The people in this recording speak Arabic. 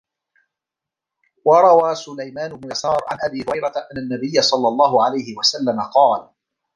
وَرَوَى سُلَيْمَانُ بْنُ يَسَارٍ عَنْ أَبِي هُرَيْرَةَ أَنَّ النَّبِيَّ صَلَّى اللَّهُ عَلَيْهِ وَسَلَّمَ قَالَ